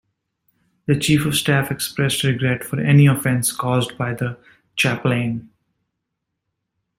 The Chief of Staff expressed regret for any offence caused by the chaplain.